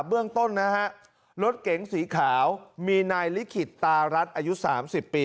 เบื้องต้นนะฮะรถเก๋งสีขาวมีนายลิขิตตารัฐอายุ๓๐ปี